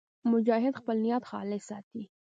مجاهد خپل نیت خالص ساتي.